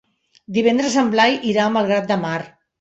Divendres en Blai irà a Malgrat de Mar.